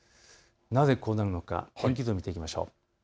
なぜこうなるのか、天気図を見ていきましょう。